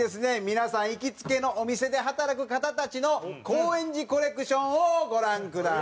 皆さん行きつけのお店で働く方たちの高円寺コレクションをご覧ください。